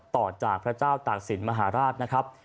ต่อจากพระเจ้าตากศิลปมหาราชนะครับ